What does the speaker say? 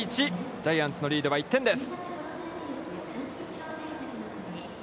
ジャイアンツのリードは１点です。